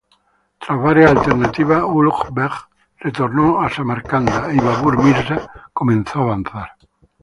Tras varias alternativas, Ulugh Beg retornó a Samarcanda y Babur Mirza comenzó a avanzar.